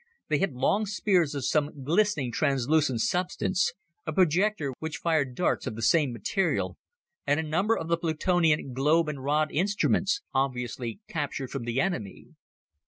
They had long spears of some glistening translucent substance, a projector which fired darts of the same material, and a number of the Plutonian globe and rod instruments obviously captured from the enemy.